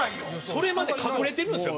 それまで隠れてるんですよ